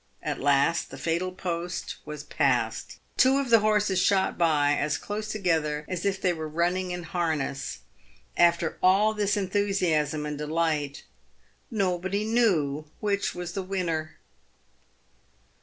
At last the fatal post was passed. Two of the horses shot by as close together as if they were running in harness. After all this enthusiasm and delight nobody knew which was the winner.